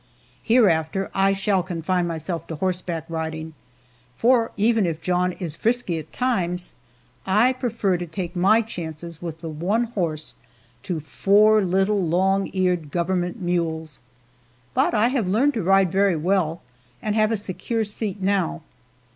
Hereafter I shall confine myself to horseback riding for, even if John is frisky at times, I prefer to take my chances with the one horse, to four little long eared government mules! But I have learned to ride very well, and have a secure seat now.